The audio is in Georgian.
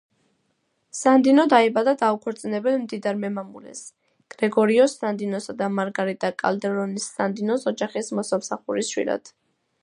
სანდინო დაიბადა დაუქორწინებელ მდიდარ მემამულეს, გრეგორიო სანდინოსა და მარგარიტა კალდერონის, სანდინოს ოჯახის მოსამსახურის, შვილად.